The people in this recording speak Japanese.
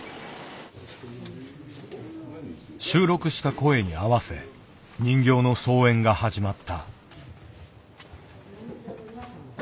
収録した声に合わせ人形の操演が始まった。